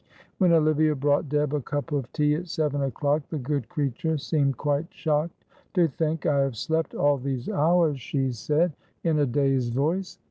When Olivia brought Deb a cup of tea at seven o'clock, the good creature seemed quite shocked. "To think I have slept all these hours," she said, in a dazed voice.